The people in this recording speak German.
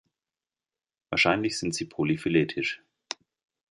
Wahrscheinlich sind sie polyphyletisch.